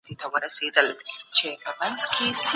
پيغمبر علیه السلام د ذمي غوښتنه ومنله.